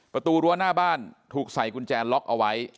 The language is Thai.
ประตูรั้วหน้าบ้านถูกใส่กุญแจล็อกเอาไว้